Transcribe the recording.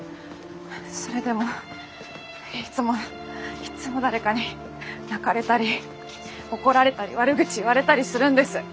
それでもいっつもいっつも誰かに泣かれたり怒られたり悪口言われたりするんです。